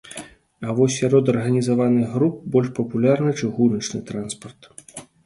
А вось сярод арганізаваных груп больш папулярны чыгуначны транспарт.